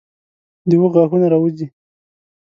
د اوښ غاښونه راوځي.